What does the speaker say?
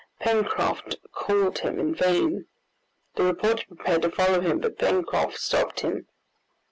Pencroft called him in vain. The reporter prepared to follow him, but Pencroft stopped him.